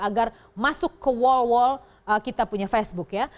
agar masuk ke wall wall kita punya facebook ya